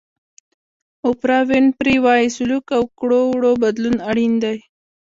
اوپرا وینفري وایي سلوک او کړو وړو بدلون اړین دی.